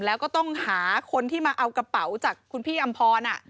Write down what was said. แล้วก็ต้องหาคนที่มาเอากระเป๋าจากคุณพี่อำพร